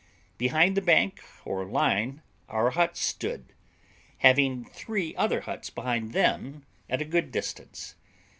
Behind the bank or line our huts stood, having three other huts behind them at a good distance.